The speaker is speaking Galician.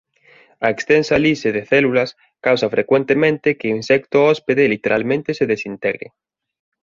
A extensa lise de células causa frecuentemente que o insecto hóspede literalmente se desintegre.